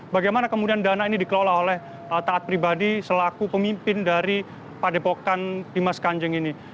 bagaimana kemudian dana ini dikelola oleh taat pribadi selaku pemimpin dari padepokan dimas kanjeng ini